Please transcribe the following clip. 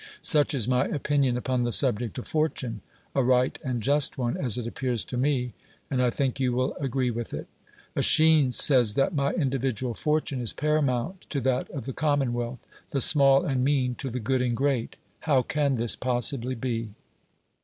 Such is my opinion upon the subject of fortune, a right and just one, as it appears to me, and I think you will agree with it. ^Esehines says that my individual fortune is paramount to that of the commonwealth, the small and mean to the good and great. How can this possibly be